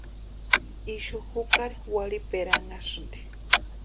Ixu jukari warhiperanhasïnti.